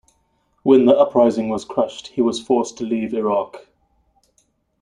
When the uprising was crushed he was forced to leave Iraq.